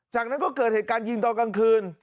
จากนั้นก็เกิดเหตุการณ์ยิงตอนกลางคืน